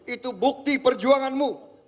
itu bukti perjuanganmu